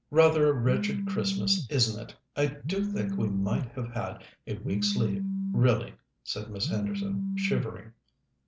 "Rather a wretched Christmas, isn't it? I do think we might have had a week's leave, really," said Miss Henderson, shivering.